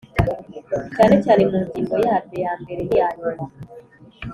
cyane cyane mu ngingo yaryo yambere niya nyuma